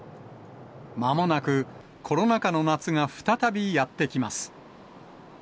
まもなく、コロナ禍の夏が再び、やって来ます。